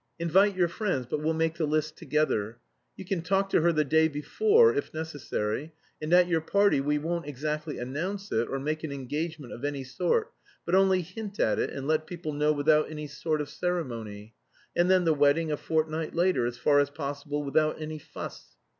Invite your friends, but we'll make the list together. You can talk to her the day before, if necessary. And at your party we won't exactly announce it, or make an engagement of any sort, but only hint at it, and let people know without any sort of ceremony. And then the wedding a fortnight later, as far as possible without any fuss....